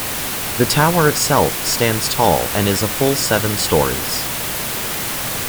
The tower itself stands tall and is a full seven stories.